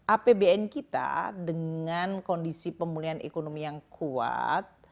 apbn kita dengan kondisi pemulihan ekonomi yang kuat